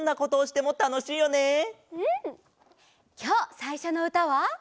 きょうさいしょのうたは。